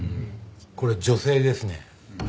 これ女性ですね。